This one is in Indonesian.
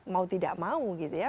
jadi ada yang tidak mau gitu ya